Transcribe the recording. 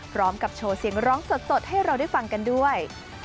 พร้อมกับโชว์เสียงร้องสดให้เราได้ฟังกันด้วย